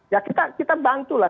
ya kita bantu lah